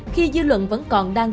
khi dư luận vẫn còn đang